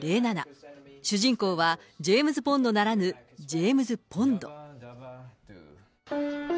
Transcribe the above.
主人公は、ジェームズ・ボンドならぬ、ジェームズ・ポンド。